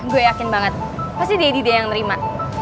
gue yakin banget pasti deddy dia yang nerima